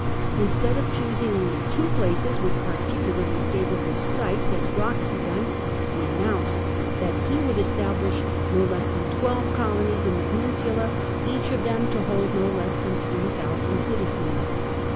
Instead of choosing only two places with particularly favourable sites, as Gracchus had done, he announced that he would establish no less than twelve colonies in the peninsula, each of them to hold no less than three thousand citizens.